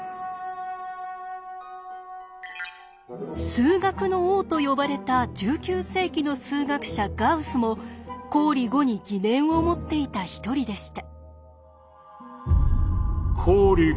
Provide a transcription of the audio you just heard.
数学の王と呼ばれた１９世紀の数学者ガウスも公理５に疑念を持っていた一人でした。